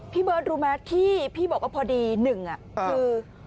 พี่เบิร์ตรู้ไหมที่พี่บอกว่าพอดีหนึ่งคือ